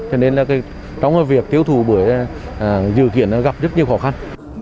cho nên trong việc tiêu thụ bưởi dự kiện gặp rất nhiều khó khăn